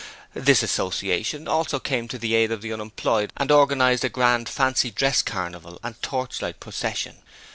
This association also came to the aid of the unemployed and organized a Grand Fancy Dress Carnival and Torchlight Procession.